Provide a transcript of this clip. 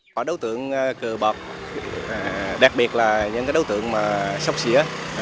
có đối tượng cờ bọc đặc biệt là những đối tượng sóc xỉa